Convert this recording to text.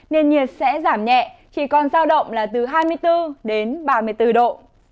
nền nhiệt sẽ giảm nhẹ chỉ còn giao động là từ hai mươi bốn đến ba mươi bốn độ